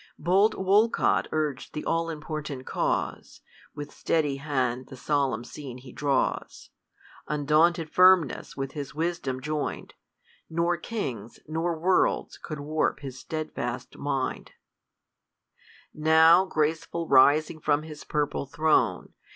Bold Wolcott urg'd the all important cause ; With steady hand the solemn scene he draws ; Undaunted firmness with his v/isdom join'd. Nor kings nor worlds could warp his stedfast mind Now, graceful rising from his purple throne.